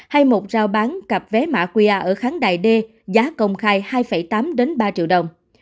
hay một rao bán cặp vé mã qa ở kháng đại d giá công khai hai tám ba triệu đồng